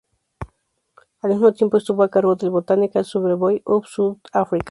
Al mismo tiempo estuvo a cargo del "Botanical Survey of South Africa.